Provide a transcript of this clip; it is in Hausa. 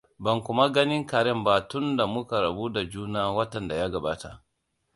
Ban kuma ganin Karen ba tunda muka rabu da juna watan da ya gabata.